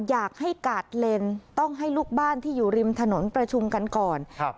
อยากให้กาดเลนต้องให้ลูกบ้านที่อยู่ริมถนนประชุมกันก่อนครับ